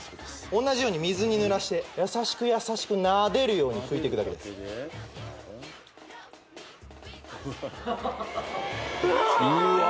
同じように水に濡らして優しく優しくなでるように拭いてくだけですうわ